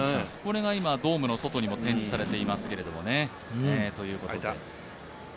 これが今、ドームの外にも展示されていますということで。